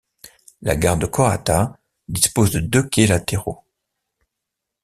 La gare de Kohata dispose de deux quais latéraux.